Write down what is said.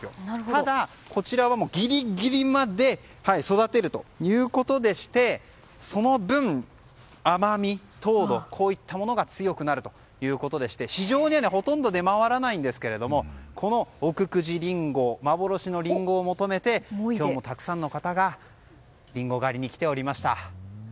ただ、こちらはギリギリまで育てるということでしてその分、甘み、糖度が強くなるということで市場にはほとんど出回らないんですがこの奥久慈りんご幻のリンゴを求めて今日もたくさんの方がリンゴ狩りに来ておりました。